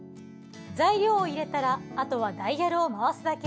材料を入れたらあとはダイヤルを回すだけ。